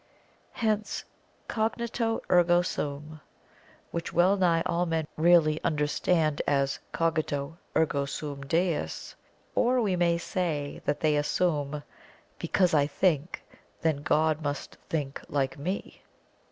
Hence cognito ergo sum, which well nigh all men really understand as cogito, ergo sum Deus. Or we may say that they assume "Because I think, then God must think like me!"